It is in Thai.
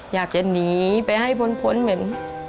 อยากจะหนีไปให้พ้นเหม็น